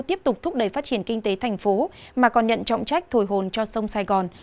tiếp tục thúc đẩy phát triển kinh tế thành phố mà còn nhận trọng trách thổi hồn cho sông sài gòn